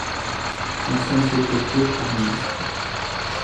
La scène se clôture par une dispute.